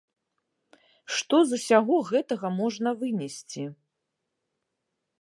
Што з усяго гэтага можна вынесці?